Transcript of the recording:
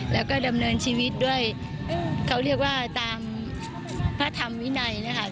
แล้วก็ดำเนินชีวิตด้วยเขาเรียกว่าตามพระธรรมวินัยนะคะ